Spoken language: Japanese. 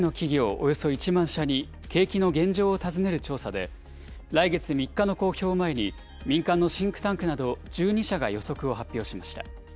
およそ１万社に景気の現状を尋ねる調査で、来月３日の公表を前に、民間のシンクタンクなど１２社が予測を発表しました。